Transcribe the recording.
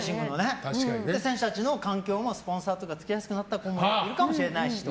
選手たちの環境もスポンサーとかつきやすくなった子もいるかもしれないしと。